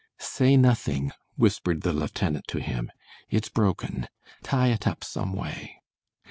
"Say nothing," whispered the lieutenant to him. "It's broken. Tie it up some way."